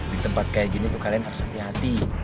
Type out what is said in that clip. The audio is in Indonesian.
di tempat kayak gini tuh kalian harus hati hati